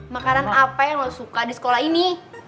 makanan apa yang lo suka di sekolah ini